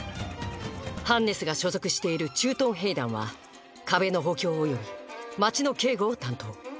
ハンネスが所属している「駐屯兵団」は壁の補強および街の警護を担当。